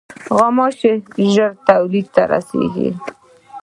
غوماشې ژر تولید ته رسېږي.